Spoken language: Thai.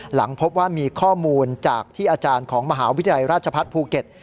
หลังพบว่ามีข้อมูลจากที่อาจารย์ของมหาวิทยาลัยราชพัฒน์ภูเก็ต